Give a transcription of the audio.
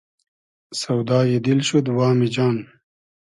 سۆدای دیل شود وامی جان